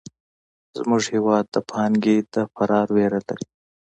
زموږ هېواد د پانګې د فرار وېره لري.